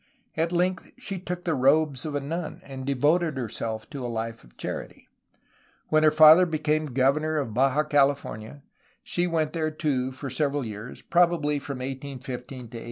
At length she took the robes of a nun, and devoted herself to a life of charity. When her father became governor of Baja California, she went there too for several years, probably from 1815 to 1819.